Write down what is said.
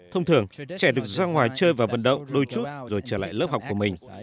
thông thường trẻ được ra ngoài chơi và vận động đôi chút rồi trở lại lớp học của mình